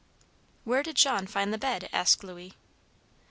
"Where did Jean find the bed?" asked Louis.